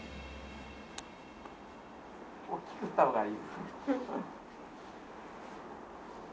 大きく振ったほうがいいです。